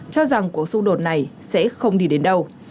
cho rằng cuộc xung đột này sẽ không đi đến đâu